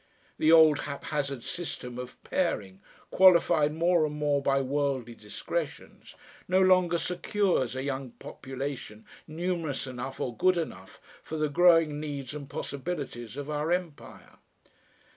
The old haphazard system of pairing, qualified more and more by worldly discretions, no longer secures a young population numerous enough or good enough for the growing needs and possibilities of our Empire.